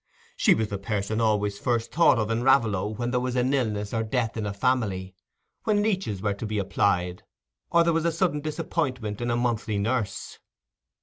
She was the person always first thought of in Raveloe when there was illness or death in a family, when leeches were to be applied, or there was a sudden disappointment in a monthly nurse.